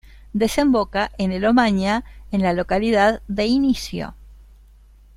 Desemboca en el Omaña en la localidad de Inicio.